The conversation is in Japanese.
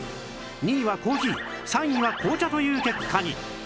２位はコーヒー３位は紅茶という結果に